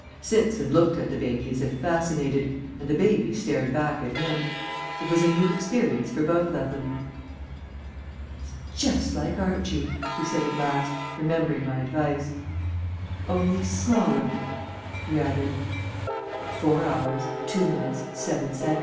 Simpson looked at the baby as if fascinated, and the baby stared back at him. It was a new experience for both of them. "He's just like Archie," he said at last, remembering my advice. "Only smaller," he added. 4 hrs. 2 min. 7 sec.